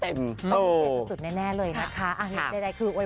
เป็นนักแสดงคนไทยไม่มีอย่างนี้